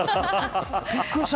逆にびっくりした。